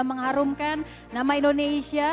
mengharumkan nama indonesia